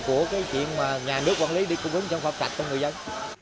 của cái chuyện nhà nước quản lý đi cung cấp sản phẩm sạch cho người dân